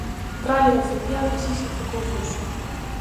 Tráiler oficial de "Sísifo Confuso".